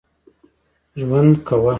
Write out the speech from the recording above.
ژوند کاوه.